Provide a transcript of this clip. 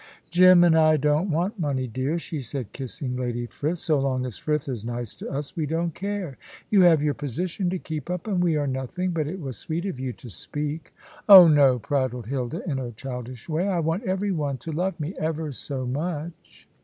"Jim and I don't want money, dear," she said, kissing Lady Frith; "so long as Frith is nice to us, we don't care. You have your position to keep up, and we are nothing. But it was sweet of you to speak." "Oh no," prattled Hilda, in her childish way. "I want every one to love me, ever so much."